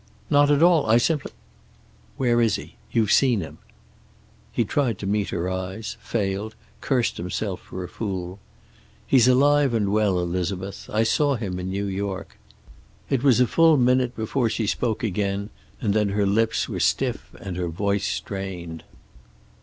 "Not at all. I simply " "Where is he? You've seen him." He tried to meet her eyes, failed, cursed himself for a fool. "He's alive and well, Elizabeth. I saw him in New York." It was a full minute before she spoke again, and then her lips were stiff and her voice strained.